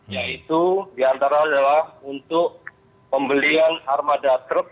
yaitu diantara adalah untuk pembelian armada truk